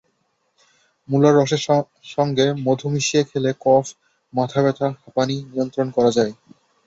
মুলার রসের সঙ্গে মধু মিশিয়ে খেলে কফ, মাথাব্যথা, হাঁপানি নিয়ন্ত্রণ করা যায়।